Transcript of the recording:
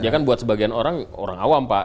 ya kan buat sebagian orang awam pak